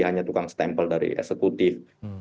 hanya tukang stempel dari eksekutif